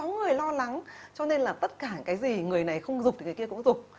sáu người lo lắng cho nên là tất cả cái gì người này không rụt thì người kia cũng rụt